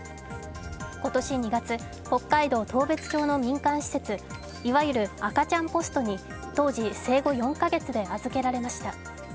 今年２月、北海道当別町の民間施設、いわゆる赤ちゃんポストに当時、生後４か月で預けられました。